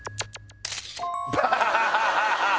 アハハハ